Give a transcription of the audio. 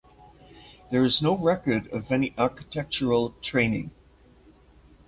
There is no record of any architectural training.